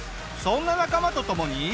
そんな仲間と共に。